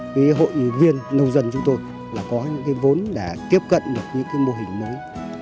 cái hội viên nông dân chúng tôi là có những cái vốn để tiếp cận được những cái mô hình mới